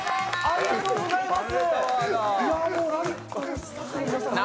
ありがとうございます。